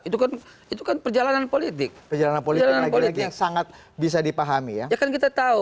itu kan itu kan perjalanan politik perjalanan politik yang sangat bisa dipahami akan kita tahu